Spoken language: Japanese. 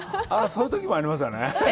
そういうときもありますよね。